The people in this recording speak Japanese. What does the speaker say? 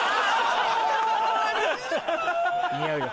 似合うよ。